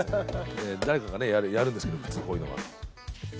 誰かがやるんですけど普通こういうのは。